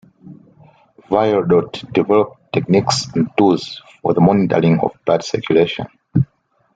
Vierordt developed techniques and tools for the monitoring of blood circulation.